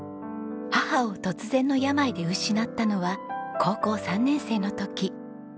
母を突然の病で失ったのは高校３年生の時。